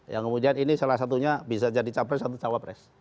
yang kemudian ini salah satunya bisa jadi capres atau cawapres